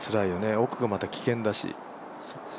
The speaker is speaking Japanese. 奥がまた危険だし。